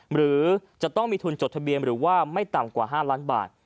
หรือจะต้องมีทุนจดทะเบียนหรือว่าไม่ต่ำกว่า๕ล้านบาท